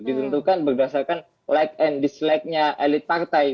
ditentukan berdasarkan like and dislike nya elit partai